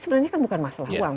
sebenarnya kan bukan masalah uang